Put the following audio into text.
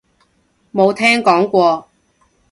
冇聽講過